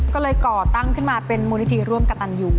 ก็เลยก่อตั้งขึ้นมาเป็นมูลนิธิร่วมกระตันอยู่